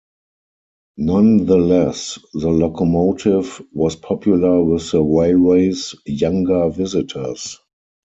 Nonetheless, the locomotive was popular with the railway's younger visitors.